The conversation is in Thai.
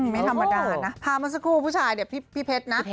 ไม่ธรรมดานะภาพเมื่อสักครู่ผู้ชายเนี่ยพี่เพชรนะ